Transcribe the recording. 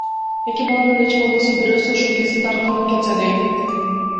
Эки баламдын эч болбосо бирөөсү ушул кесипти аркалап кетсе дейм.